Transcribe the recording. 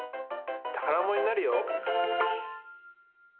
たからものになるよ！